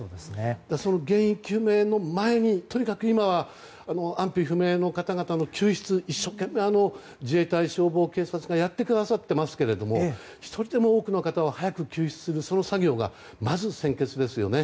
その原因究明の前にとにかく今は安否不明の方々の救出を一生懸命、自衛隊、警察、消防がやってくださっていますが１人でも多くの方を救助する作業が先決ですよね。